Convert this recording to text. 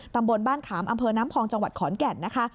ตำบลบ้านขามอำเภอน้ำพองจังหวัดขอนแก่นนะคะ